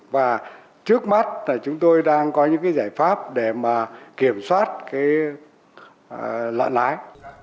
và trước mắt chúng tôi đang có những giải pháp để kiểm soát lợn lái